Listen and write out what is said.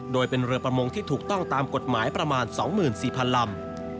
โดยเป็นเรือประมงที่ถูกต้องตามกฎหมายประมาณ๒๔๐๐๐ลำ